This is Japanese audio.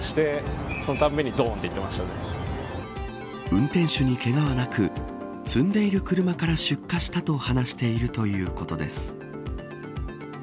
運転手にけがはなく積んでいる車から出火したと話しているということです。